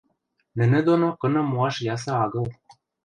Нӹнӹ доно кыным моаш ясы агыл.